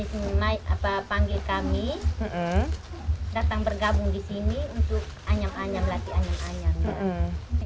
di sini panggil kami datang bergabung di sini untuk anyam anyam latihan